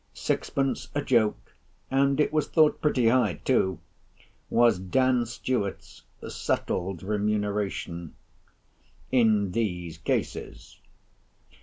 Sixpence a joke—and it was thought pretty high too—was Dan Stuart's settled remuneration in these cases.